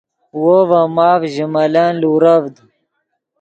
وو ڤے ماف ژے ملن لورڤد